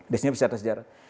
destinasi wisata sejarah